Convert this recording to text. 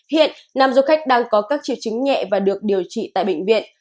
hiện nam du khách đang có các triệu chứng nhẹ và được điều trị tại bệnh viện